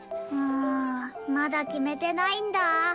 うんまだ決めてないんだ。